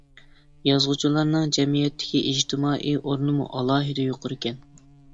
يازغۇچىلارنىڭ جەمئىيەتتىكى ئىجتىمائىي ئورنىمۇ ئالاھىدە يۇقىرىكەن.